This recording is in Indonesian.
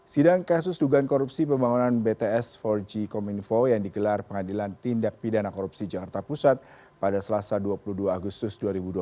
sidang kasus dugaan korupsi pembangunan bts empat g kominfo yang digelar pengadilan tindak pidana korupsi jakarta pusat pada selasa dua puluh dua agustus dua ribu dua puluh